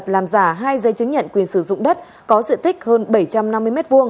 làm giả hai dây chứng nhận quyền sử dụng đất có diện tích hơn bảy trăm năm mươi m hai